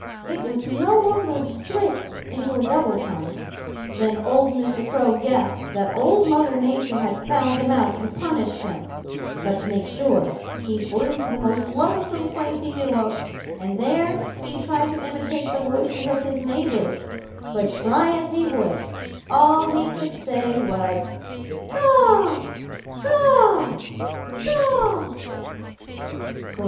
It was no longer split into a double tongue. Then old Mr. Crow guessed that Old Mother Nature had found him out and punished him, but to make sure, he flew to the most lonesome place he knew of, and there he tried to imitate the voices of his neighbors; but try as he would, all he could say was 'Caw, caw, caw.'